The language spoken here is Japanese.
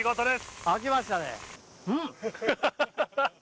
開きましたね。